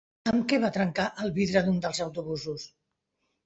Amb què van trencar el vidre d'un dels autobusos?